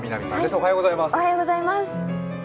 おはようございます。